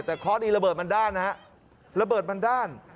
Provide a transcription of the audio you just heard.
แต่ข้อดีระเบิดบันดาลนะครับระเบิดบันดาล